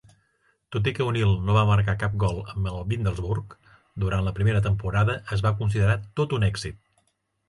Tot i que O'Neil no va marcar cap gol amb Middlesbrough durant la primera temporada, es va considerar tot un èxit.